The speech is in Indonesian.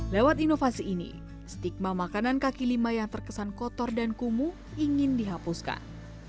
lewat inovasi ini stigma makanan kaki lima yang terkesan kotor dan kumuh ingin dihapuskan